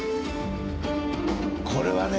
これはね